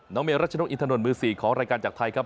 เมรัชนกอินทนนท์มือ๔ของรายการจากไทยครับ